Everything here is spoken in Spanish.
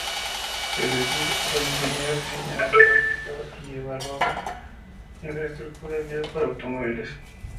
Es decir, que el ingeniero diseñaba, planificaba y evaluaba infraestructura vial para automóviles.